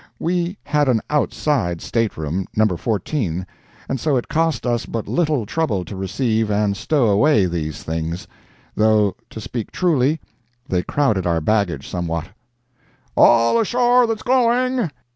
We had an outside stateroom—No. 14 and so it cost us but little trouble to receive and stow away these things; though to speak truly, they crowded our baggage somewhat. "All ashore that's going!"